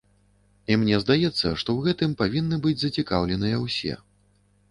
І мне здаецца, што ў гэтым павінны быць зацікаўленыя ўсе.